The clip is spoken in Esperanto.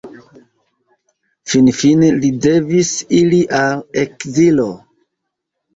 Finfine li devis iri al ekzilo.